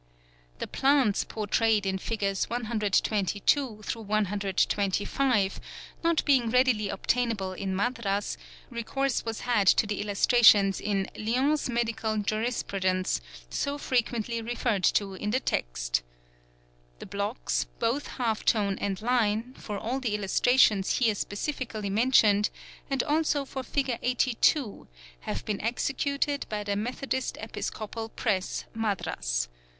The plants portrayed in Figures 122—125, not being readily obtainable in Madras, recourse was had to the illus trations in Lyon's Medical Jurisprudence, so frequently referred to in the text. The blocks, both half tone and line, for all the illustrations here specifically mentioned and also for Figure 82, have been executed by the Methodist Episcopal Press, Madras.